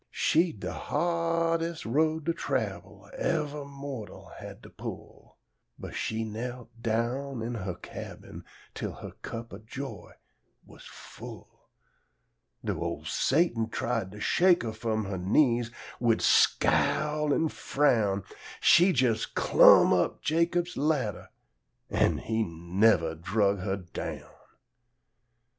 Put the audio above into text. She'd de hardes' road to trabel evah mortal had to pull; But she knelt down in huh cabin till huh cup o' joy was full; Dough' ol' Satan tried to shake huh f'om huh knees wid scowl an' frown, She jes' "clumb up Jacob's ladder," an' he nevah drug huh down.